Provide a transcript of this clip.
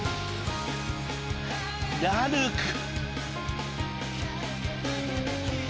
ラルク！